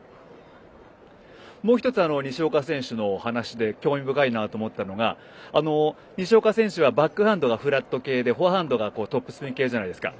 もう一つ西岡選手のお話で興味深いなと思ったのが西岡選手はバックハンドがフラット系でフォアハンドがトップスピン系じゃないですか。